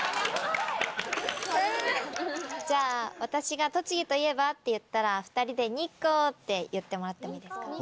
じゃあ私が「栃木といえば？」って言ったら２人で「日光！」って言ってもらってもいいですか？